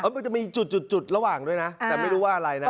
มันจะมีจุดระหว่างด้วยนะแต่ไม่รู้ว่าอะไรนะ